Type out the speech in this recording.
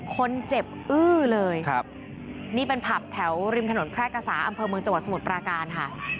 คนเจ็บอื้อเลยครับนี่เป็นผับแถวริมถนนแพร่กษาอำเภอเมืองจังหวัดสมุทรปราการค่ะ